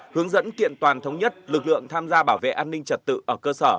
hướng dẫn kiện toàn thống nhất lực lượng tham gia bảo vệ an ninh trật tự ở cơ sở